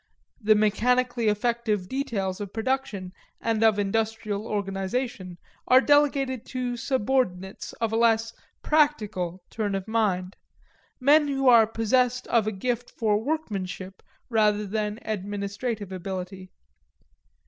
The mechanically effective details of production and of industrial organization are delegated to subordinates of a less "practical" turn of mind men who are possessed of a gift for workmanship rather than administrative ability.